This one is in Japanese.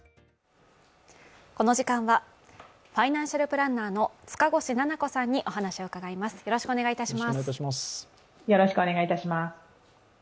この時間は、ファイナンシャルプランナーの塚越菜々子さんにお話を伺います。